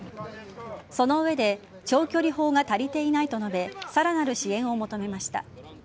その上で長距離砲が足りていないと述べさらなる支援を求めました。